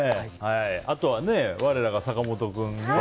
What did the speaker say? あとは、我らが坂本君が。